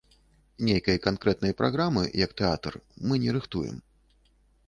Нейкай канкрэтнай праграмы, як тэатр, мы не рыхтуем.